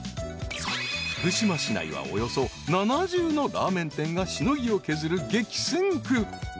［福島市内はおよそ７０のラーメン店がしのぎを削る激戦区］